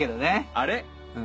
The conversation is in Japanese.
あれ。